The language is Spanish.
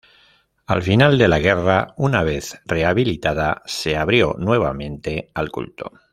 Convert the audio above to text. Al final de la guerra, una vez rehabilitada, se abrió nuevamente al culto.